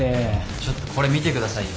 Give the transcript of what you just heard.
ちょっとこれ見てくださいよ。